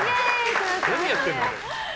何やってるの？